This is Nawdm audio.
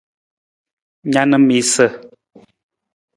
Na na miisa.